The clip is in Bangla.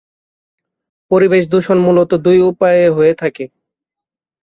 পরিবেশ দূষণ মূলত দুই উপায়ে হয়ে থাকে।